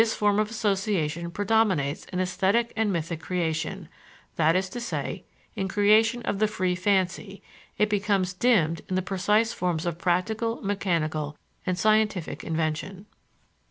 This form of association predominates in esthetic and mythic creation, that is to say, in creation of the free fancy; it becomes dimmed in the precise forms of practical, mechanical, and scientific invention.